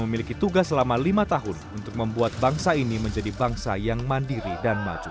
memiliki tugas selama lima tahun untuk membuat bangsa ini menjadi bangsa yang mandiri dan maju